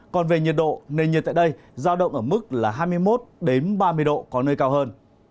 còn về nhiệt độ nền nhiệt tại đây giao động ở mức là hai mươi một ba mươi độ có nơi cao hơn